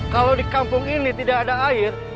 kalau di kampung ini tidak ada air